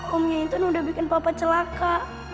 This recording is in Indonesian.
omnya itu udah bikin papa celaka